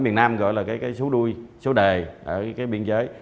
miền nam gọi là cái số đuôi số đề ở cái biên giới